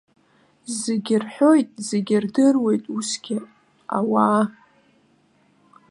Зегьы рҳәоит, зегьы рдыруеит усгьы ауаа.